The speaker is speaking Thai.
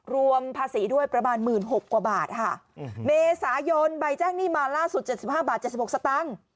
รวมภาษีด้วยประมาณหมื่นหกกว่าบาทค่ะอืมมีสายนใบแจ้งหนี้มาล่าสุดเจ็ดสิบห้าบาทเจ็ดสิบหกสักตั้ง